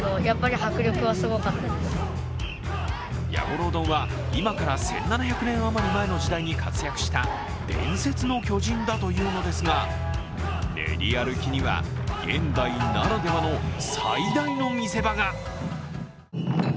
弥五郎どんは今から１７００年余り前の時代に活躍した伝説の巨人だというのですが、練り歩きには、現代ならではの最大の見せ場が。